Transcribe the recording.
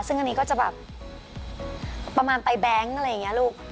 ซึ่งอันนี้ก็จะแบบประมาณไปแบงค์อะไรอย่างนี้ลูก